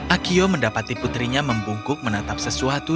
akio mendapati putrinya membungkuk menatap sesuatu